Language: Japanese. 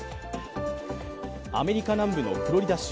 アメリカ南部のフロリダ州。